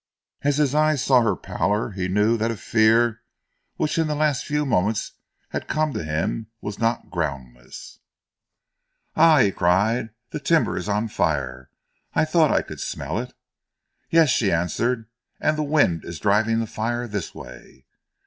As his eyes saw her pallor, he knew that a fear which in the last few moments had come to him was not groundless. "Ah!" he cried, "the timber is on fire! I thought I could smell it." "Yes," she answered, "and the wind is driving the fire this way."